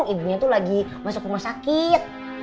ibunya tuh lagi masuk rumah sakit